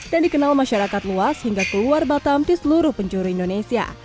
dan dikenal masyarakat luas hingga keluar batam di seluruh penjuru indonesia